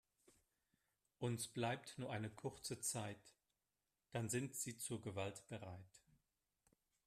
Uns bleibt nur eine kurze Zeit, dann sind sie zur Gewalt bereit.